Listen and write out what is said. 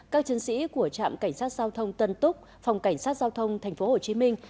các chiến sĩ của trạm cảnh sát giao thông tân túc phòng cảnh sát giao thông thành phố hồ chí minh